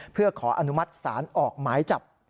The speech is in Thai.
เพื่อขออนุมัติศาลออกหมายจับ